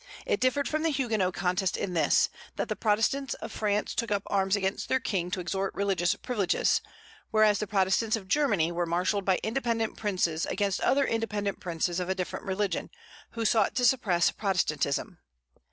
It differed from the Huguenot contest in this, that the Protestants of France took up arms against their king to extort religious privileges; whereas the Protestants of Germany were marshalled by independent princes against other independent princes of a different religion, who sought to suppress Protestantism.